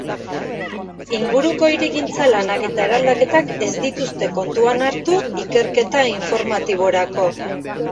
Inguruko hirigintza lanak eta eraldaketak ez dituzte kontuan hartu ikerketa informatiborako.